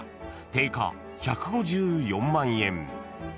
［定価１５４万円］